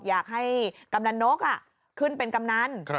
อยากให้กำนันนกขึ้นเป็นกำนัน